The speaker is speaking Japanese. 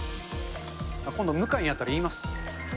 今度、向井に会ったら言います。